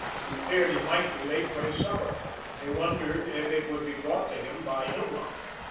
He feared he might be late to his supper. He wondered if it would be brought to him by Hilma.